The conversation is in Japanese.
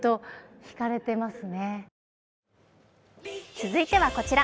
続いてはこちら。